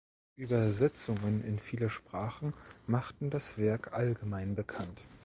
Übersetzungen in viele Sprachen machten das Werk allgemein bekannt.